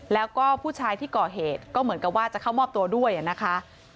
แล้วก็ผู้ชายที่ก่อเหตุก็เหมือนกับว่าจะเข้ามอบตัวด้วยนะคะ